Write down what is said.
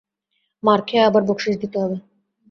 মার খেয়ে আবার বখশিশ দিতে হবে!